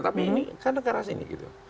tapi ini kan ke arah sini gitu